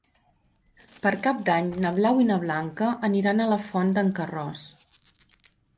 Per Cap d'Any na Blau i na Blanca aniran a la Font d'en Carròs.